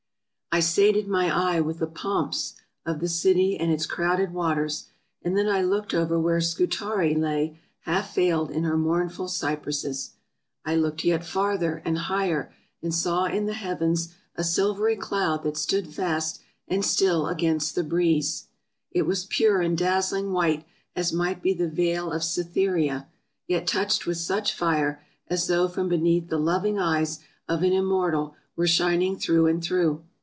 I sated my eye with the pomps of the city and its crowded waters, and then I looked over where Scutari lay half veiled in her mournful cypresses. I looked yet farther, and higher, and saw in the heavens a 320 TRAVELERS AND EXPLORERS silvery cloud that stood fast and still against the breeze; it was pure and dazzling white as might be the veil of Cytherea, yet touched with such fire, as though from beneath the lov ing eyes of an immortal were shining through and through.